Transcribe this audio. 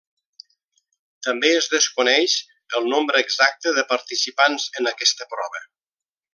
També es desconeix el nombre exacte de participants en aquesta prova.